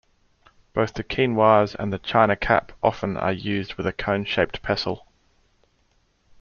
Both the chinois and the China cap often are used with a cone-shaped pestle.